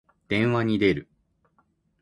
電話に出る。